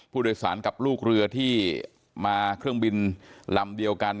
ผู้โดยสารกับลูกเรือที่มาเครื่องบินลำเดียวกัน